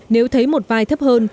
nếu thấy một vai thấp hơn